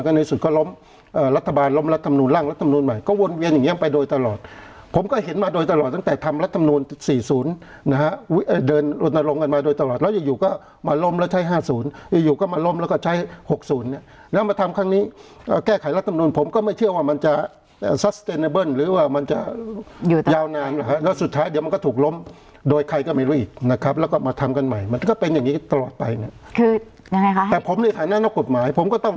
ก็ในสุดก็ล้มรัฐบาลล้มรัฐธรรมนูญร่างรัฐธรรมนูญใหม่ก็วนเวียนอย่างงี้ไปโดยตลอดผมก็เห็นมาโดยตลอดตั้งแต่ทำรัฐธรรมนูญสี่ศูนย์นะฮะเดินลงกันมาโดยตลอดแล้วอยู่อยู่ก็มาล้มแล้วใช้ห้าศูนย์อยู่อยู่ก็มาล้มแล้วก็ใช้หกศูนย์เนี่ยแล้วมาทำครั้งนี้แก้ไขรัฐธรรมนูญผมก็ไม่